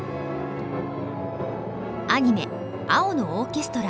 アニメ「青のオーケストラ」